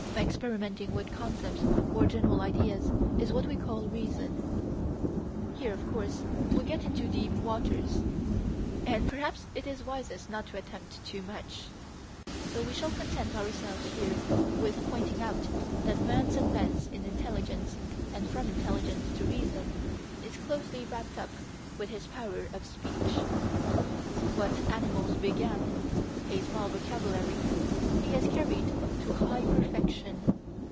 Experimenting with concepts or general ideas is what we call Reason. Here, of course, we get into deep waters, and perhaps it is wisest not to attempt too much. So we shall content ourselves here with pointing out that Man's advance in intelligence and from intelligence to reason is closely wrapped up with his power of speech. What animals began a small vocabulary he has carried to high perfection.